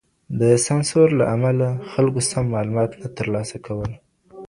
د سانسور له امله خلګو سم معلومات نه تر لاسه کول.